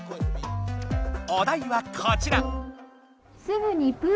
お題はこちら！